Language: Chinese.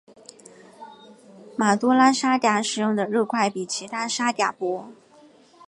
马都拉沙嗲使用的肉块比其他沙嗲薄。